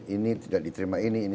ini tidak diterima ini